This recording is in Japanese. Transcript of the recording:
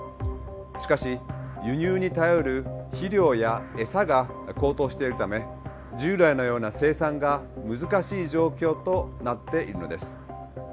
しかし輸入に頼る肥料やエサが高騰しているため従来のような生産が難しい状況となっているのです。